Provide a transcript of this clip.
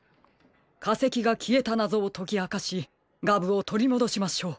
かせきがきえたなぞをときあかしガブをとりもどしましょう。